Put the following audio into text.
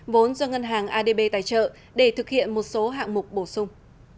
vốn do ngân hàng adb tài trợ để thực hiện một số hạng mục bổ sung